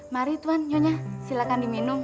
mari tuan nyonya silakan diminum